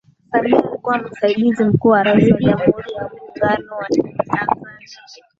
Samia alikuwa msaidizi mkuu wa Rais wa Jamhuri ya Muungano wa Tanzania